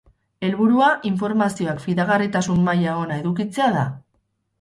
Helburua, informazioak fidagarritasun maila ona edukitzea da.